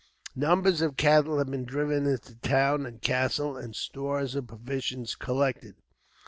Numbers of cattle had been driven into the town and castle, and stores of provisions collected.